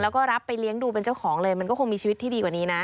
แล้วก็รับไปเลี้ยงดูเป็นเจ้าของเลยมันก็คงมีชีวิตที่ดีกว่านี้นะ